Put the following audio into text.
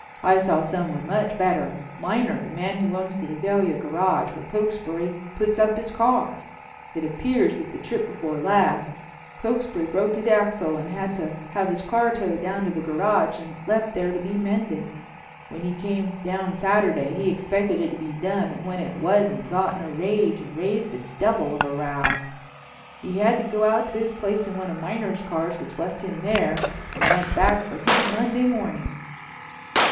I saw someone much better—Miner, the man who owns the Azalea Garage, where Cokesbury puts up his car. It appears that the trip before last Cokesbury broke his axle and had to have his car towed down to the garage and left there to be mended. When he came down Saturday he expected it to be done and when it wasn't, got in a rage and raised the devil of a row. He had to go out to his place in one of Miner's cars which left him there and went back for him Monday morning."